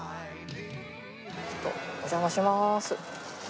ちょっとお邪魔しまーす。